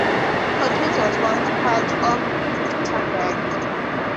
Cortes was once part of Tandag.